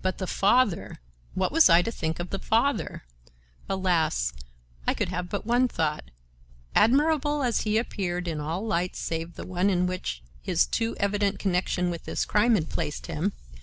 But the father! What was I to think of the father? Alas! I could have but one thought, admirable as he appeared in all lights save the one in which his too evident connection with this crime had placed him.